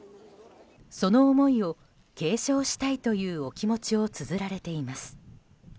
その思いを継承したいというお気持ちをつづられています。